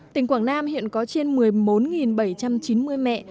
tỉnh quảng nam hiện có trên một mươi bốn bảy trăm chín mươi mẹ